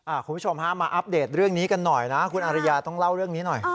คุณผู้ชมฮะมาอัปเดตเรื่องนี้กันหน่อยนะคุณอาริยาต้องเล่าเรื่องนี้หน่อย